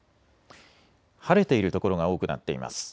晴れている所が多くなっています。